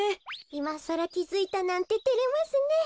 いまさらきづいたなんててれますね。